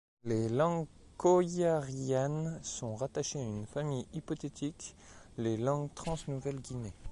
Les langues koiarianes sont rattachées à une famille hypothétique, les langues trans-Nouvelle Guinée.